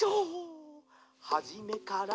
「はじめから」